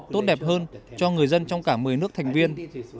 tốt đẹp hơn cho người dân trong cả một mươi nước thành viên